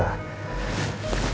membuka jasa beliau